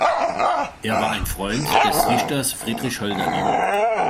Er war ein Freund des Dichters Friedrich Hölderlin.